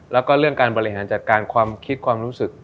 แล้วก็เรื่องการบริหารจัดการความคิดความรู้สึก